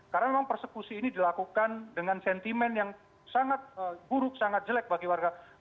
karena memang persekusi ini dilakukan dengan sentimen yang sangat buruk sangat jelek bagi warga